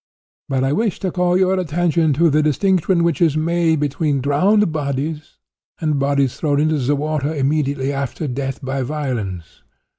But I wish to call your attention to the distinction which is made between 'drowned bodies,' and 'bodies thrown into the water immediately after death by violence.